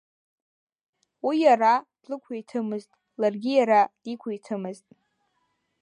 Уи иара длықәиҭымызт, ларгьы иара диқәиҭымызт.